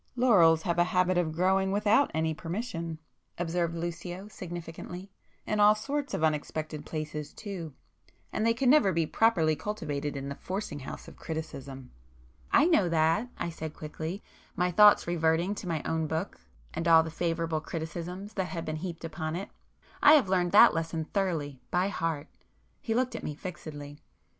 "Laurels have a habit of growing without any permission,"—observed Lucio significantly—"In all sorts of unexpected places too. And they can never be properly cultivated in the forcing house of criticism." "I know that!" I said quickly, my thoughts reverting to my own book, and all the favourable criticisms that had been heaped upon it—"I have learned that lesson thoroughly, by heart!" He looked at me fixedly.